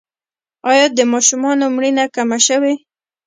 آیا د ماشومانو مړینه کمه شوې؟